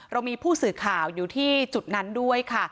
เรามีผู้สื่อข่าวอยู่ที่จุดนั้นด้วยค่ะ